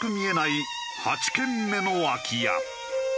８軒目の空き家。